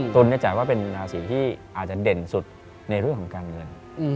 เนื่องจากว่าเป็นราศีที่อาจจะเด่นสุดในเรื่องของการเงิน